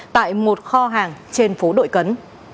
tại một kho hàng trên phố đội cấn